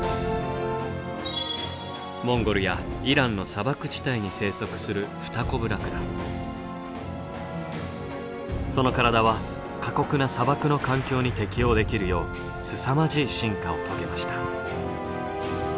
モンゴルやイランの砂漠地帯に生息するその体は過酷な砂漠の環境に適応できるようすさまじい進化を遂げました。